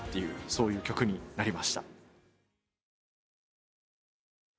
そういう曲になりました。